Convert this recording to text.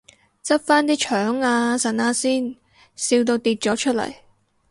執返啲腸啊腎啊先，笑到跌咗出嚟